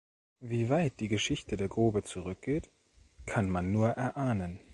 Wie weit die Geschichte der Grube zurückgeht, kann man nur erahnen.